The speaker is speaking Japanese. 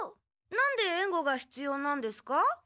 なんでえんごが必要なんですか？